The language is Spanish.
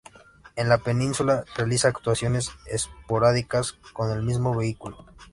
En la Península realiza actuaciones esporádicas con el mismo vehículo.